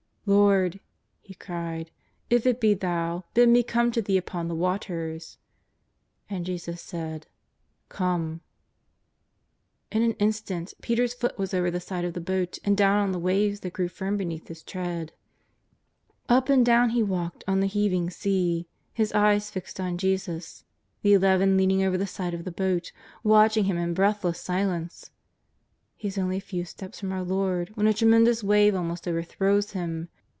" Lord," he cried, '' if it l)e Thou, bid me come to Thee upon the waters." And Jesus said :'' Come !" In an instant Peter's foot was over the side of the boat and down on the waves that grew firm beneath hi? tread. Up and do\m he walked on the heaving sea^ JESUS OF NAZARETH. 243 his eyes fixed on Jesus, the Eleven leaning over the side of the boat watching him in breathless silence. He is only a few steps from our Lord when a tremen dous wave almost overthrows him.